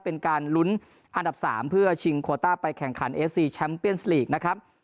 เป็นการลุ้นอันดับ๓เพื่อชิงโคต้าไปแข่งขันเอฟซีแชมป์เปียนส์ลีกนะครับ